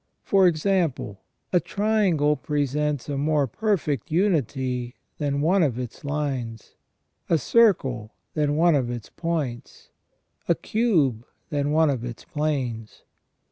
For example, a triangle presents a more per fect unity than one of its lines, a circle than one of its points, a cube than one of its planes.